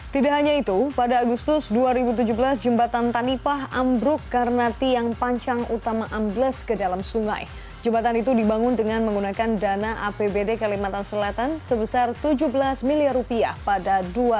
tidak hanya itu pada agustus dua ribu tujuh belas jembatan tanipah ambruk karena tiang pancang utama ambles ke dalam sungai jembatan itu dibangun dengan menggunakan dana apbd kalimantan selatan sebesar tujuh belas miliar rupiah pada dua ribu tujuh belas